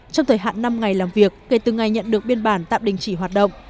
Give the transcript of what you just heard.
trong thời hạn năm ngày làm việc kể từ ngày nhận được biên bản tạm đình chỉ hoạt động